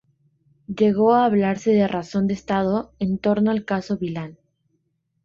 Llegó a hablarse de "razón de estado" en torno al caso Villain.